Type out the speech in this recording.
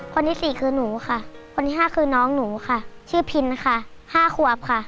คนที่๔คือหนูค่ะคนที่๕คือน้องหนูค่ะชื่อพินค่ะ๕ขวบค่ะ